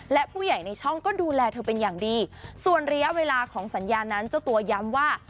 และผู้ใหญ่ในช่องก็ดูแลเธอเป็นอย่างดีส่วนระยะเวลาของสัญญานั้นเจ้าตัวย้ำว่า